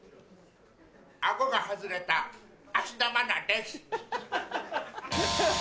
顎が外れた芦田愛菜です。